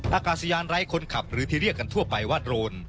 อากาศยานไร้คนขับหรือที่เรียกกันทั่วไปว่าโรน